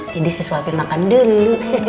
jadi saya suapin makan dulu